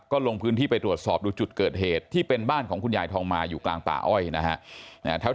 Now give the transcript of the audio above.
ก็ลงพื้นที่ไปตรวจสอบดูจุดเกิดเหตุที่เป็นบ้านของคุณยายทองมาอยู่กลางป่าอ้อยนะฮะ